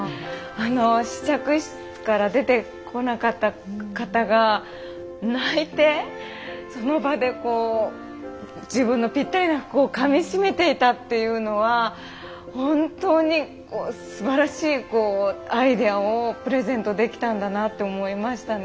あの試着室から出てこなかった方が泣いてその場でこう自分のぴったりな服をかみしめていたっていうのは本当にすばらしいアイデアをプレゼントできたんだなって思いましたね。